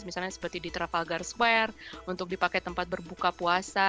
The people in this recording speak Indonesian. misalnya seperti di travelgar square untuk dipakai tempat berbuka puasa